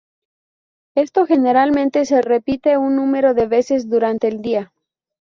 Esto generalmente se repite un número de veces durante el día.